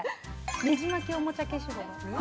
ネジ巻きおもちゃ消しゴム